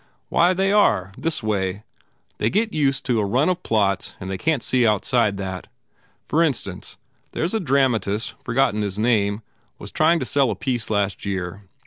"Why, they are. This way. They get used to a run of plots and they can t see outside that. For instance, here s a dramatist forgotten his name was trying to sell a piece last year.